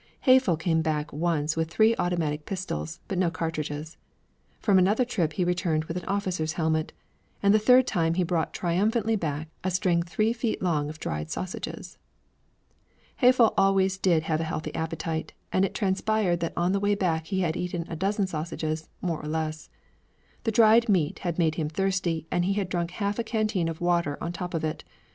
Haeffle came back once with three automatic pistols, but no cartridges; from another trip he returned with an officer's helmet; and the third time he brought triumphantly back a string three feet long of dried sausages. Haeffle always did have a healthy appetite, and it transpired that on the way back he had eaten a dozen sausages, more or less. The dried meat had made him thirsty and he had drunk half a canteen of water on top of it.